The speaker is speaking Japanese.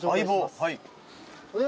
はい。